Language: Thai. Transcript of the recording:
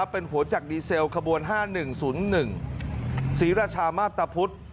เป็นหัวจักรีเซลขบวน๕๑๐๑ศรีราชามาพตะพุธ